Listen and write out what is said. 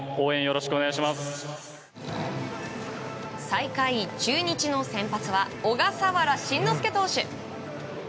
最下位、中日の先発は小笠原慎之介投手。